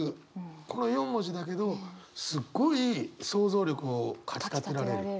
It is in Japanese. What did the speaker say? この４文字だけどすっごい想像力をかきたてられる。